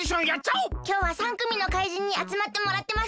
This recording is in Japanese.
きょうは３くみの怪人にあつまってもらってます。